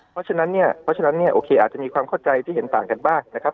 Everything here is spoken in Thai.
เพราะฉะนั้นเนี่ยโอเคอาจจะมีความเข้าใจที่เห็นต่างกันบ้างนะครับ